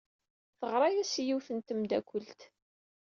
Teɣra-as i yiwet n tmeddakelt.